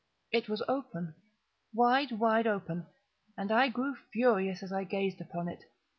It was open—wide, wide open—and I grew furious as I gazed upon it.